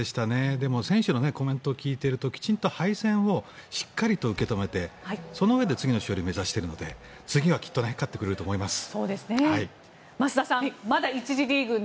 でも、選手のコメントを聞いているときちんと敗戦をしっかりと受け止めてそのうえで次の勝利を目指しているので次はきっと勝ってくれると思います。